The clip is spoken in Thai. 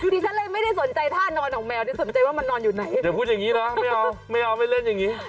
ดิฉันเลยไม่ได้สนใจท่านอนของแมวที่สนใจว่ามันนอนอยู่ไหนอย่าพูดอย่างนี้นะไม่เอาไม่เอาไม่เล่นอย่างนี้